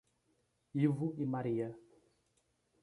Ivo e Maria